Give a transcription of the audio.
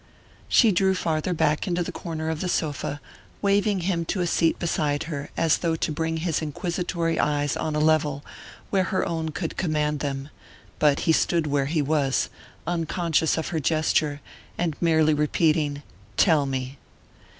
She drew farther back into her corner of the sofa, waving him to a seat beside her, as though to bring his inquisitory eyes on a level where her own could command them; but he stood where he was, unconscious of her gesture, and merely repeating: "Tell me."